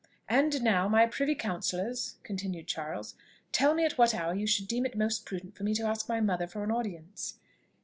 "And now, my privy counsellors," continued Charles, "tell me at what hour you should deem it most prudent for me to ask my mother for an audience."